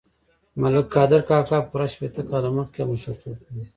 ملک قادر کاکا پوره شپېته کاله ملکي او مشرتوب کړی.